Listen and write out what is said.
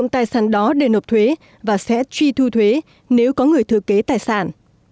tài sản đó để nộp thuế và sẽ truy thu thuế nếu có người thừa kế tài sản